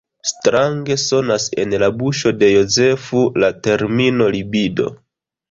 Strange sonas en la buŝo de Jozefo la termino libido.